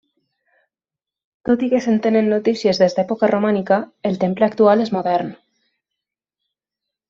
Tot i que se'n tenen notícies des d'època romànica, el temple actual és modern.